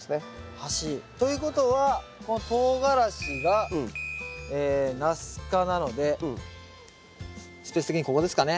端ということはこのトウガラシがナス科なのでスペース的にここですかね？